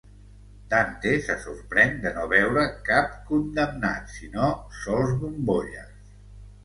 Dante se sorprèn de no veure cap condemnat, sinó sols bombolles.